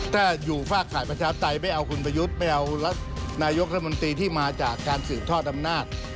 ถ้าอยู่ฝากฝ่ายประชาปไตยไม่เอาคุณประยุทธ์ไม่เอานายกรัฐมนตรีที่มาจากการสืบทอดอำนาจ